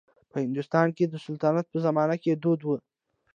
په هندوستان کې د سلطنت په زمانه کې دود و.